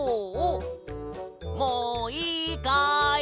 もういいかい？